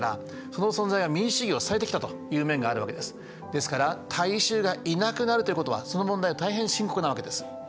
ですから大衆がいなくなるということはその問題は大変深刻なわけです。